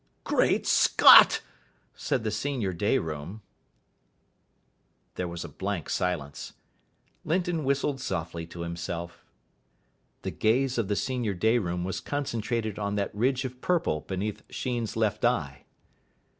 _" "Great Scott!" said the senior day room. There was a blank silence. Linton whistled softly to himself. The gaze of the senior day room was concentrated on that ridge of purple beneath Sheen's left eye.